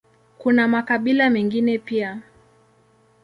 Kuna makabila mengine pia.